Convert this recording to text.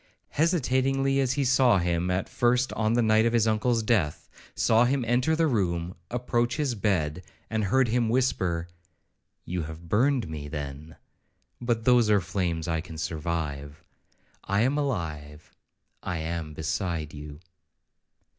—hesitatingly as he saw him at first on the night of his uncle's death,—saw him enter the room, approach his bed, and heard him whisper, 'You have burned me, then; but those are flames I can survive.—I am alive,—I am beside you.'